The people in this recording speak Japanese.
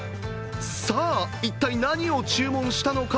さあ、一体何を注文したのか？